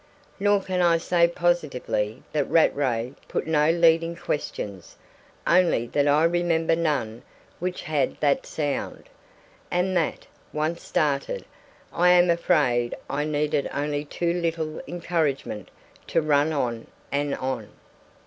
Nor can I say positively that Rattray put no leading questions; only that I remember none which had that sound; and that, once started, I am afraid I needed only too little encouragement to run on and on.